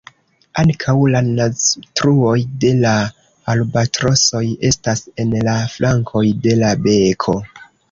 Ankaŭ la naztruoj de la albatrosoj estas en la flankoj de la beko.